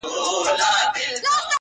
د کلي ژوند ظاهراً روان وي خو دننه مات